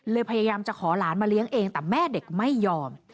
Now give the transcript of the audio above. พยายามจะขอหลานมาเลี้ยงเองแต่แม่เด็กไม่ยอม